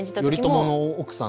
頼朝の奥さん。